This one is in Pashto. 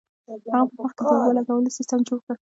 هغه په باغ کې د اوبو لګولو سیستم جوړ کړ.